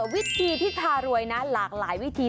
วิธีที่พารวยนะหลากหลายวิธี